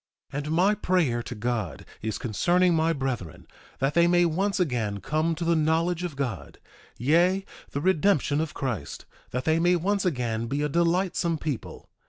1:8 And my prayer to God is concerning my brethren, that they may once again come to the knowledge of God, yea, the redemption of Christ; that they may once again be a delightsome people.